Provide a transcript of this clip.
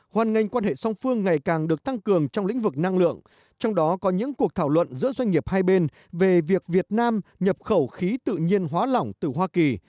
hoàn ngành quan hệ song phương ngày càng được tăng cường trong lĩnh vực năng lượng trong đó có những cuộc thảo luận giữa doanh nghiệp hai bên về việc việt nam nhập khẩu khí tự nhiên hóa lỏng từ hoa kỳ